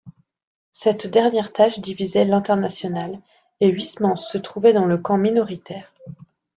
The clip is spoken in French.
Cette dernière tâche divisait l’Internationale, et Huysmans se trouvait dans le camp minoritaire.